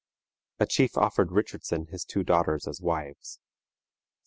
A chief offered Richardson his two daughters as wives.